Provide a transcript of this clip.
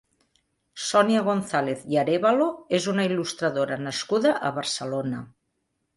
Sònia González i Arévalo és una il·lustradora nascuda a Barcelona.